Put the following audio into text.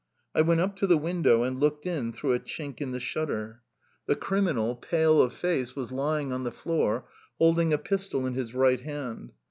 I went up to the window and looked in through a chink in the shutter. The criminal, pale of face, was lying on the floor, holding a pistol in his right hand.